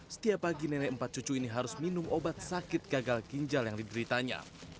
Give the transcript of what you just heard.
setiap pagi nenek empat cucu ini harus minum obat sakit gagal ginjal yang dideritanya